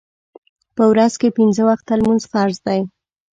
په ورځ کې پنځه وخته لمونځ فرض دی.